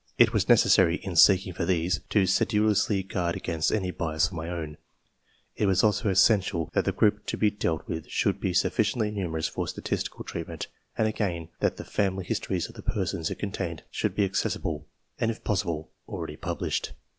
It was necessary, in seeking for these, to TO THE EDITION OF 1892 xiii sedulously guard against any bias of my own ; it was also essential that the group to be dealt with should be suffi ciently numerous for statistical treatment, and again, that the family histories of the persons it contained should be accessible, and, if possible, already published.